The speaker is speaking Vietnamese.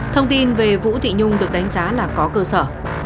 thông tin về vũ thị nhung được đánh giá là có cơ sở